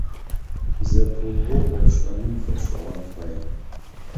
Зэпыугъо IофшIэным фэшIыгъэн фай.